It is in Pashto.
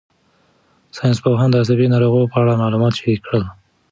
ساینسپوهان د عصبي ناروغیو په اړه معلومات شریک کړل.